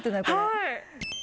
はい。